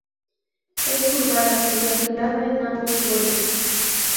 Es curvada y afilada en ambos bordes.